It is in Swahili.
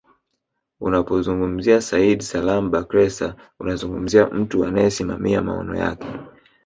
Unapomzungumzia Said Salim Bakhresa unamzungumzia mtu anayesimamia maono yake